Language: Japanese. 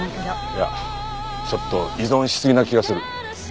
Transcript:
いやちょっと依存しすぎな気がする。